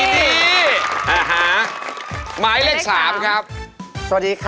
อ่าฮะหมายเลขสามครับสวัสดีค่ะ